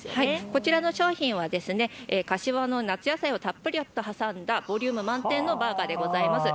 こちらの商品は柏の夏野菜をたっぷり挟んだボリューム満点のバーガーです。